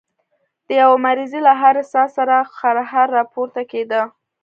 د يوه مريض له هرې ساه سره خرهار راپورته کېده.